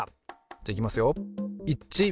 じゃいきますよ